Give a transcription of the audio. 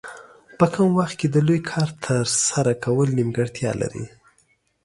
په کم وخت کې د لوی کار ترسره کول نیمګړتیاوې لري.